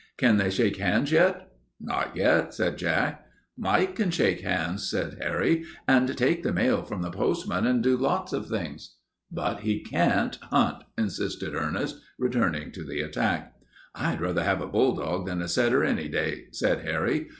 "Can they shake hands yet?" "Not yet," said Jack. "Mike can shake hands," said Harry, "and take the mail from the postman, and do lots of things." "But he can't hunt," insisted Ernest, returning to the attack. "I'd rather have a bulldog than a setter, any day," said Harry.